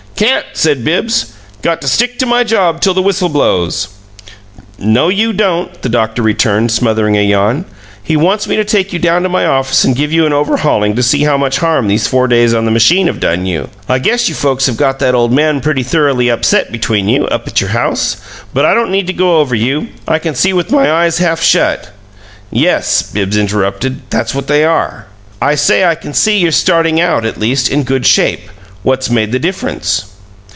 "Can't," said Bibbs. "Got to stick to my job till the whistle blows." "No, you don't," the doctor returned, smothering a yawn. "He wants me to take you down to my office and give you an overhauling to see how much harm these four days on the machine have done you. I guess you folks have got that old man pretty thoroughly upset, between you, up at your house! But I don't need to go over you. I can see with my eyes half shut " "Yes," Bibbs interrupted, "that's what they are." "I say I can see you're starting out, at least, in good shape. What's made the difference?"